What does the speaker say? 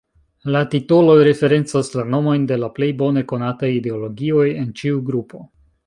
La titoloj referencas la nomojn de la plej bone konataj ideologioj en ĉiu grupo.